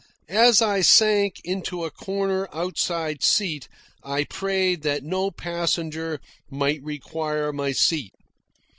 As I sank into a corner outside seat I prayed that no passenger might require my seat.